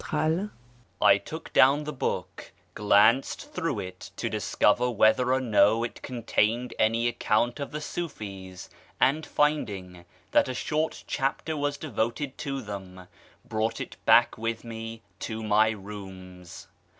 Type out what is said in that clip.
I took down the book, glanced through it to discover whether or no it contained any account of the Súfís, and, finding that a short chapter was devoted to them, brought it back with me to my rooms.